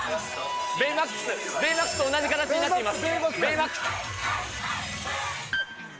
ベイマックス、ベイマックスと同じ形になっています。